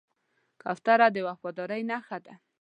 کوتره د وفادارۍ نښه ده.